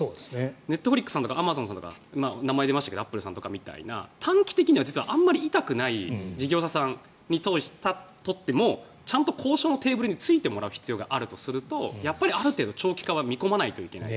ネットフリックスさんとかアマゾンさんとかアップルさんみたいな名前が出ましたが短期的には実はあまり痛くない事業者さんにとってもちゃんと交渉のテーブルについてもらう必要があるとするとある程度長期化は見込まないといけない。